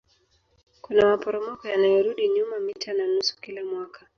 Kuna maporomoko yanayorudi nyuma mita na nusu kila mwaka